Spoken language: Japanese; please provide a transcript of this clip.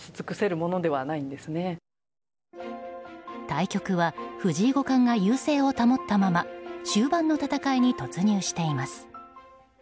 対局は藤井聡太五冠が優勢を保ったまま終盤の戦いに突入しています。